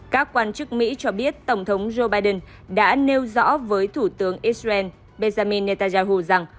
các quan chức mỹ cho biết tổng thống joe biden đã nêu rõ với thủ tướng israel benjamin netanyahu rằng